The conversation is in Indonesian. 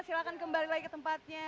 silahkan kembali lagi ke tempatnya